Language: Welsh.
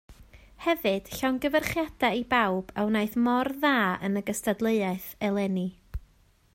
Hefyd llongyfarchiadau i bawb a wnaeth mor dda yn y gystadleuaeth eleni